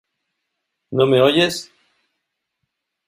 ¿ no me oyes?